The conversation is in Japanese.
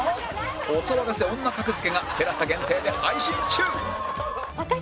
お騒がせ女格付けが ＴＥＬＡＳＡ 限定で配信中！